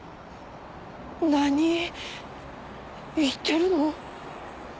何言ってるの？